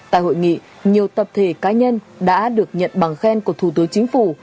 tại hội nghị nhiều tập thể cá nhân đã được nhận bằng khen của thủ tướng chính phủ